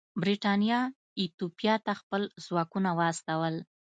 برېټانیا ایتوپیا ته خپل ځواکونه واستول.